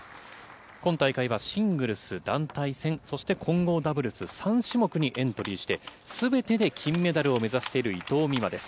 今大会はシングルス、団体戦、そして混合ダブルス、３種目にエントリーして、すべてで金メダルを目指している伊藤美誠です。